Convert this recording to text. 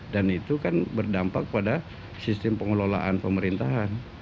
itu kan berdampak pada sistem pengelolaan pemerintahan